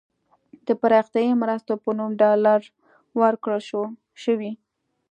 د پراختیايي مرستو په نوم ډالر ورکړل شوي.